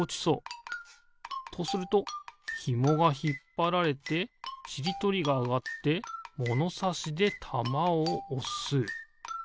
とするとひもがひっぱられてちりとりがあがってものさしでたまをおす。